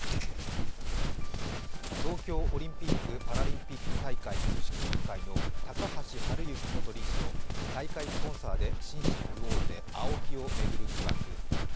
東京オリンピック・パラリンピック大会組織委員会の高橋治之元理事と大会スポンサーで紳士服大手ＡＯＫＩを巡る疑惑。